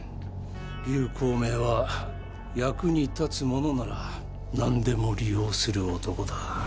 劉光明は役に立つものならなんでも利用する男だ。